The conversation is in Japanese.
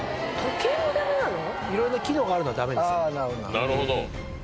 なるほど。